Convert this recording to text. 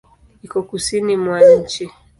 Iko Kusini mwa nchi.